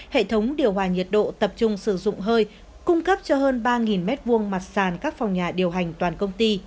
hệ thống điều hòa nhiệt độ tập trung sử dụng hơi cung cấp cho hơn ba m hai mặt sàn các phòng nhà điều hành toàn công ty